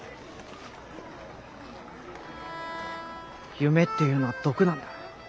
夢っていうのは毒なんだ。